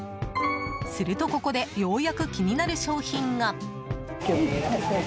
するとここでようやく気になる商品が。